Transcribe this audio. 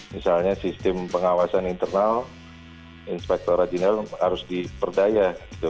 misalnya sistem pengawasan internal inspektor rajinal harus diperdaya gitu